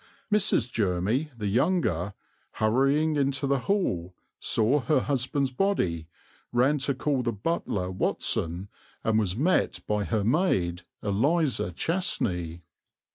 Mrs. Jermy the younger, hurrying into the hall, saw her husband's body, ran to call the butler, Watson, and was met by her maid Eliza Chastney.